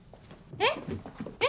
えっえっ。